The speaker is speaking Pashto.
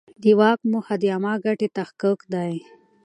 د واک موخه د عامه ګټې تحقق دی.